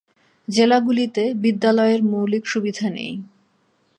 জেলাগুলিতে বিদ্যালয়ের মৌলিক সুবিধা নেই।